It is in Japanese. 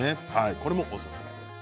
これもおすすめです。